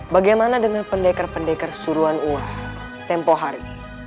bagaimana dengan pendekar pendekar suruhan uar tempoh hari